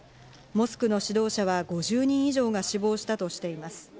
モスクの指導者は５０人以上が死亡したとしています。